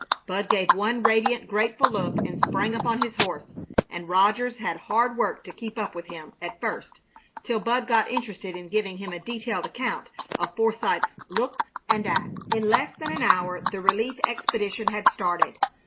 Bud gave one radiant, grateful look and sprang upon his horse, and Rogers had hard work to keep up with him at first, till Bud got interested in giving him a detailed account of Forsythe's looks and acts. In less than an hour the relief expedition had started.